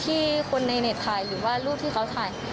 ที่คนในเน็ตถ่ายหรือว่ารูปที่เขาถ่าย